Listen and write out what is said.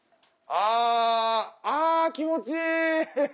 あ気持ちいい！